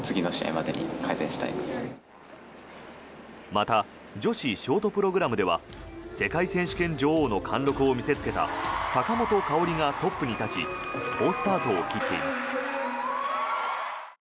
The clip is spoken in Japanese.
また女子ショートプログラムでは世界選手権女王の貫禄を見せつけた坂本花織がトップに立ち好スタートを切っています。